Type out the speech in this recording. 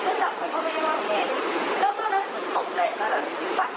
แล้วจับอวัยว่าไม่ยอมให้แล้วก็นักศึกตกใจแล้วแบบ